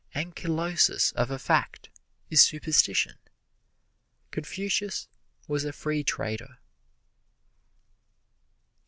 Ankylosis of a fact is superstition. Confucius was a free trader.